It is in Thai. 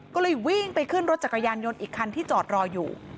ก็เลยวิ่งไปขึ้นรถจักรยานยนต์อีกคันที่จอดรออยู่